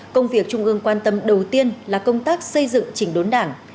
công việc trung ương quan tâm đầu tiên là công tác xây dựng chỉnh đốn đảng